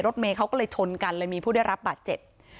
เมย์เขาก็เลยชนกันเลยมีผู้ได้รับบาดเจ็บ